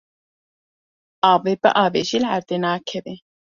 Avê biavêjî li erdê nakeve.